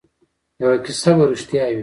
یوه کیسه به ریښتیا وي.